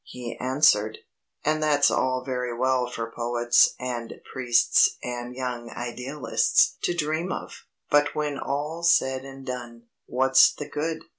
he answered. "And that's all very well for poets and priests and young idealists to dream of, but when all's said and done, what's the good?